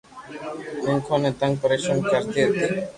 مينکون ني تنگ پريݾون ڪرتي ھتي